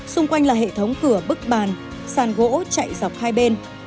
xung quanh là hệ thống cửa bức bàn sàn gỗ chạy dọc hai bên